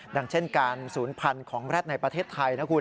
อย่างเช่นการศูนย์พันธุ์ของแร็ดในประเทศไทยนะคุณ